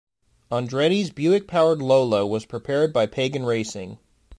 Andretti's Buick-powered Lola was prepared by Pagan Racing.